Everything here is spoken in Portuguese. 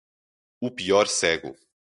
O pior cego